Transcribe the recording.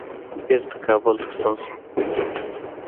بیرته کابل ته ستون شو.